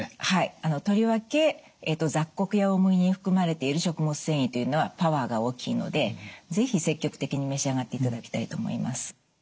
はいとりわけ雑穀や大麦に含まれている食物繊維というのはパワーが大きいので是非積極的に召し上がっていただきたいと思います。